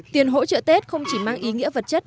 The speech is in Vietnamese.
tiền hỗ trợ tết không chỉ mang ý nghĩa vật chất